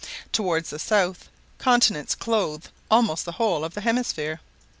Toward the south, continents clothe almost the whole of the hemisphere.